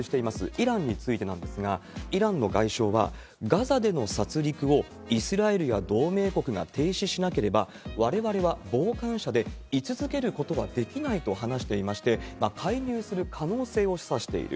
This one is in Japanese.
イランについてなんですが、イランの外相は、ガザでの殺りくをイスラエルや同盟国が停止しなければ、われわれは傍観者で居続けることはできないと話していまして、介入する可能性を示唆している。